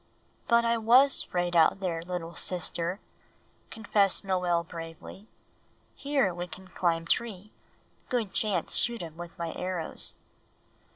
"But I was 'fraid out there, little sister," confessed Noel bravely. "Here we can climb tree; good chance shoot um with my arrows."